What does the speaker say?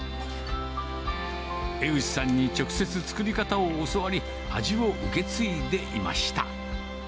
江口さんに直接作り方を教わり、味を受け継いでいました。